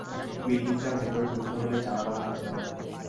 বিল্ডিংটার ভেতরে ঢুকতে হলে জানালা ভাঙতে হবে।